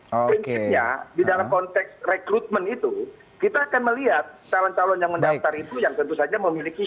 prinsipnya di dalam konteks rekrutmen itu kita akan melihat calon calon yang mendaftar itu yang tentu saja memiliki